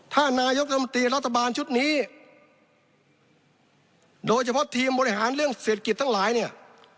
ถ้านายกรรมตรีรัฐบาลชุดนี้โดยเฉพาะทีมบริหารเรื่องเศรษฐกิจทั้งหลายเนี่ย